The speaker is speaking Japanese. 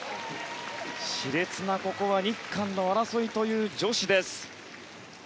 熾烈な日韓の争いという女子です。